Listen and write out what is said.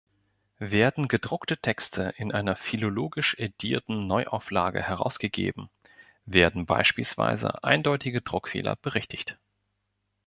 Werden "gedruckte" Texte in einer philologisch edierten Neuauflage herausgegeben, werden beispielsweise eindeutige Druckfehler berichtigt.